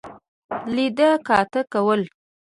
لیده کاته کول.